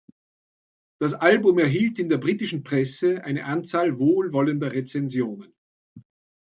Das Album erhielt in der britischen Presse eine Anzahl wohlwollender Rezensionen.